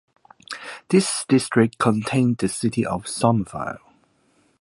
This district contained the city of Somerville.